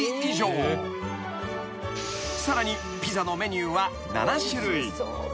［さらにピザのメニューは７種類］